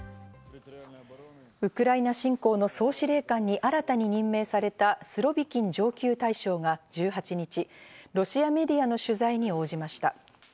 ウクライナ侵攻の総司令官に新たに任命されたスロビキン上級大将が１８日、ロシアメディアの取材に応じました。